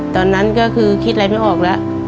ตอนนั้นก็คือคิดอะไรไม่ออกแล้ว